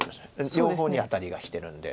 両方にアタリがきてるんで。